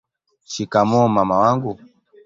shikamoo mama wangu